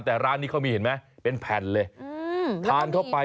แต่ร้านนี้เขามีเห็นไหมเป็นแผ่นเลย